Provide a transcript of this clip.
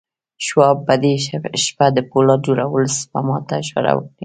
شواب په دې شپه د پولاد جوړولو سپما ته اشاره وکړه